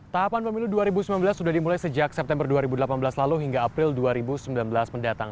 tahapan pemilu dua ribu sembilan belas sudah dimulai sejak september dua ribu delapan belas lalu hingga april dua ribu sembilan belas mendatang